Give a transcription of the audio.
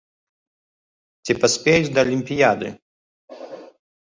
Ці паспеюць да алімпіяды?